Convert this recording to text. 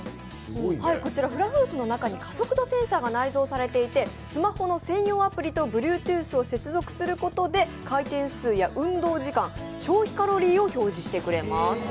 こちらフラフープの中に加速度センサーが内蔵されていてスマホの専用アプリとＢｌｕｅｔｏｏｔｈを接続することで回転数や運動時間、消費カロリーを表示してくれます。